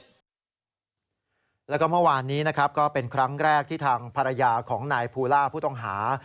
แล้วก็เมื่อวานนี้นะครับก็เป็นครั้งแรกที่ทางภรรยาของนายภูล่าผู้ต้องหา